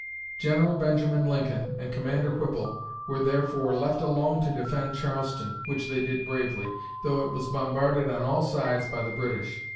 General Benjamin Lincoln and Commander Whipple were, therefore, left alone to defend Charleston, which they did bravely, though it was bombarded on all sides by the British.